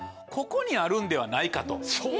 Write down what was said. ここにあるんではないかと。